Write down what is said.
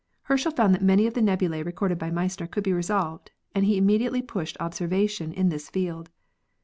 Herschel found that many of the nebulae recorded by Messier could be resolved and he immediately pushed observation in this field.